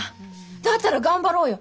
だったら頑張ろうよ。